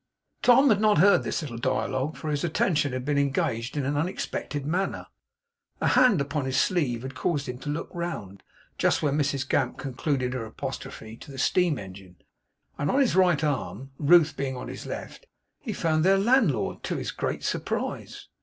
Tom had not heard this little dialogue; for his attention had been engaged in an unexpected manner. A hand upon his sleeve had caused him to look round, just when Mrs Gamp concluded her apostrophe to the steam engine; and on his right arm, Ruth being on his left, he found their landlord, to his great surprise.